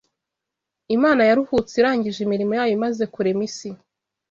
Imana yaruhutse irangije imirimo yayo imaze kurema isi